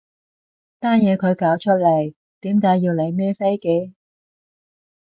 單嘢佢搞出嚟，點解要你孭飛嘅？